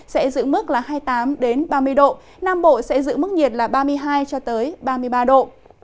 sẽ giữ mức là hai mươi tám ba mươi độ nam bộ sẽ giữ mức nhiệt là ba mươi hai cho tới ba mươi ba độ